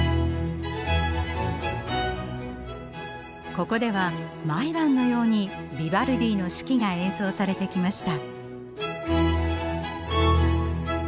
ここでは毎晩のようにヴィヴァルディの「四季」が演奏されてきました。